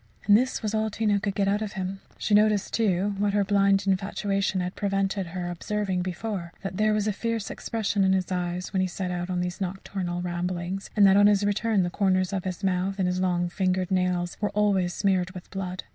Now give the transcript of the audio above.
And this was all Tina could get out of him. She noticed, too, what her blind infatuation had prevented her observing before, that there was a fierce expression in his eyes when he set out on these nocturnal rambles, and that on his return the corners of his mouth and his long finger nails were always smeared with blood.